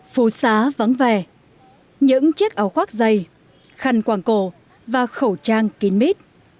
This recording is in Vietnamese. phú xá vắng vẻ những chiếc áo khoác dây khăn quàng cổ và khẩu trang kín mít